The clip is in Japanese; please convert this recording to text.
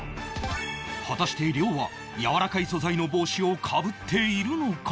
果たして亮はやわらかい素材の帽子をかぶっているのか？